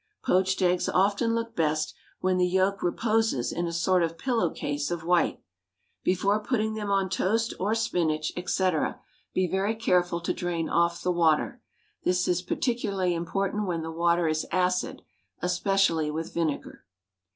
Poached eggs often look best when the yolk reposes in a sort of pillow case of white. Before putting them on toast or spinach, &c., be very careful to drain off the water; this is particularly important when the water is acid, especially with vinegar.